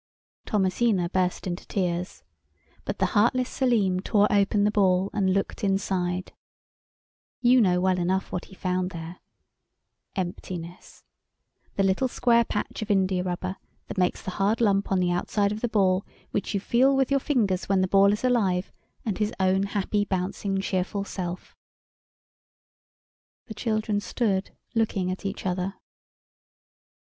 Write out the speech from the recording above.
Thomasina burst into tears—but the heartless Selim tore open the Ball, and looked inside. You know well enough what he found there. Emptiness; the little square patch of india rubber that makes the hard lump on the outside of the ball which you feel with your fingers when the ball is alive and his own happy, bouncing, cheerful self. The children stood looking at each other.